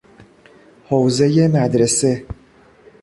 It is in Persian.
حوزهی مدرسه